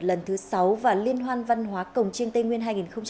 lần thứ sáu và liên hoan văn hóa cồng trên tây nguyên hai nghìn một mươi bảy